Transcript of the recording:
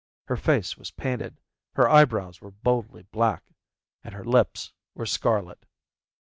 Her face was painted, her eyebrows were boldly black, and her lips were scarlet.